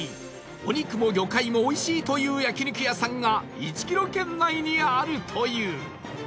お肉も魚介もおいしいという焼肉屋さんが１キロ圏内にあるという